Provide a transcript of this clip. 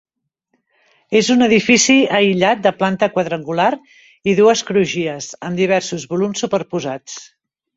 És un edifici aïllat de planta quadrangular i dues crugies, amb diversos volums superposats.